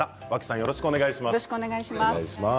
よろしくお願いします。